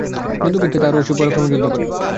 যুদ্ধক্ষেত্রে তাহারা অসুর-পরাক্রমে যুদ্ধ করে।